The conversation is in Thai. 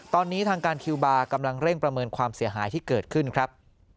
ตอนนี้ทางการคิวบาร์กำลังเร่งประเมินความเสียหายที่เกิดขึ้นครับ